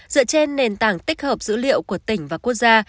dựa trên nền tảng tích hợp dữ liệu của tỉnh và quốc gia